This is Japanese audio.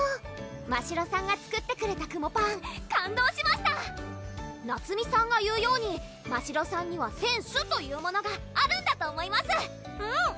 ましろさんが作ってくれたくもパン感動しました菜摘さんが言うようにましろさんにはセンスというものがあるんだと思いますうん！